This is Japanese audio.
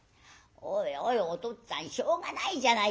「おいおいおとっつぁんしょうがないじゃないか。